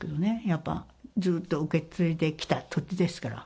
やっぱ、ずっと受け継いできた土地ですから。